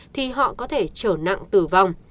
thì họ có thể trở nặng tử vong